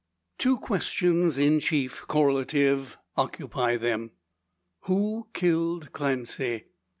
Two questions in chief, correlative, occupy them: "Who killed Clancy?"